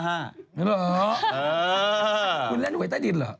คุณเล่นไหว้ใต้ดินเหรอ